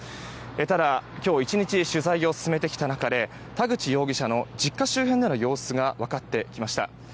ただ今日１日取材を進めてきた中で田口容疑者の実家周辺での様子が分かってきました。